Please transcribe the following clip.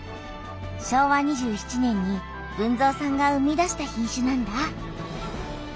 昭和２７年に豊造さんが生み出した品種なんだ。